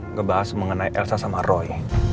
ngebahas mengenai elsa sama roy